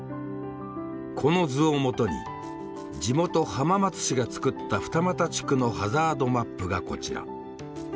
この図をもとに地元浜松市が作った二俣地区のハザードマップがこちら。